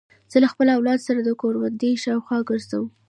زه د خپل اولاد سره د کوروندې شاوخوا ګرځم.